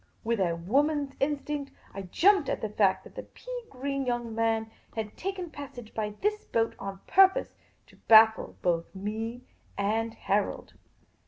With a woman's instinct, I jumped at the fact that the pea green young man had taken passage by this boat, on pur pose to baffle both me and Harold.